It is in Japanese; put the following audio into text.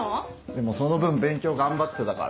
でもその分勉強頑張ってたから。